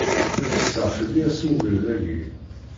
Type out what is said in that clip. Ad kkseɣ fell-i asmugred-agi.